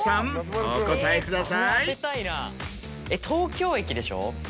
東京駅でしょ？